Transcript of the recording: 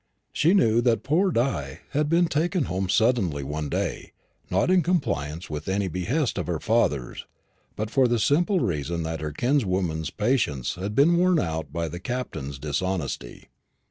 She knew that "poor Di" had been taken home suddenly one day, not in compliance with any behest of her father's, but for the simple reason that her kinswoman's patience had been worn out by the Captain's dishonesty.